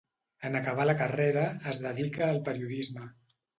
En acabar la carrera, es dedica al periodisme.